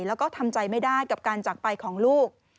แล้วก็ทำใจไม่ได้กับการจากไปของลูก